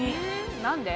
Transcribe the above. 何で？